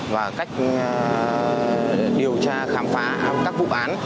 và cách điều tra khám phá các vụ án